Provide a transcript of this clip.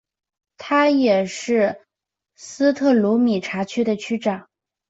他也是斯特鲁米察区的区长。